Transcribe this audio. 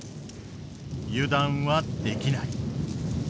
油断はできない。